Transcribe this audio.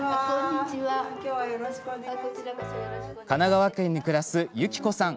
神奈川県に暮らす、ゆきこさん。